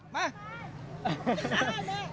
มา